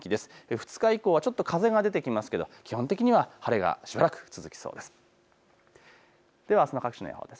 ２日以降はちょっと風が出てきますけど基本的には晴れがしばらく続きそうです。